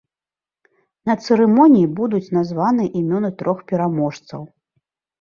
На цырымоніі будуць названыя імёны трох пераможцаў.